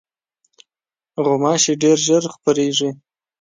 غوماشې ډېر ژر خپرېږي.